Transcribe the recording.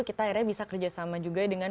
kita akhirnya bisa kerjasama juga dengan